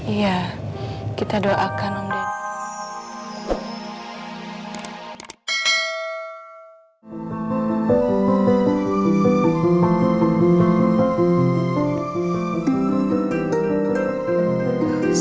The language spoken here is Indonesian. iya kita doakan om dennis